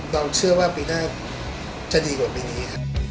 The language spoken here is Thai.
เราเชื่อว่าปีหน้าจะดีกว่าปีนี้ครับ